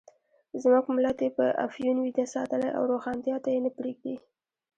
زموږ ملت یې په افیون ویده ساتلی او روښانتیا ته یې نه پرېږدي.